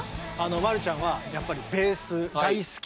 マルちゃんはやっぱりベース大好き。